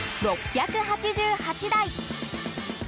６８８台。